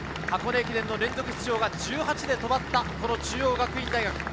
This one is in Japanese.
箱根駅伝連続出場が１８で止まった中央学院大学。